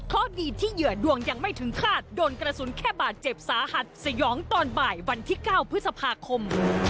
เพราะดีที่เหยื่อดวงยังไม่ถึงคาดโดนกระสุนแค่บาดเจ็บสาหัสสยองตอนบ่ายวันที่๙พฤษภาคม